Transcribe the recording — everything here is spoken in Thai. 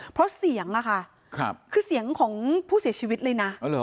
เพราะเสียงล่ะค่ะครับคือเสียงของผู้เสียชีวิตเลยน่ะเอาเหรอ